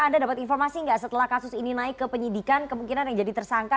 anda dapat informasi nggak setelah kasus ini naik ke penyidikan kemungkinan yang jadi tersangka